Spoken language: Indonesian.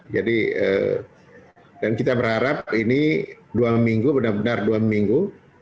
jadi dan kita berharap ini dua minggu benar benar dua minggu